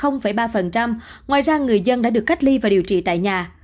ngoài ra người dân đã được cách ly và điều trị tại nhà